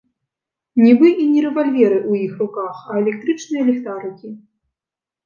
Нібы і не рэвальверы ў іх руках, а электрычныя ліхтарыкі.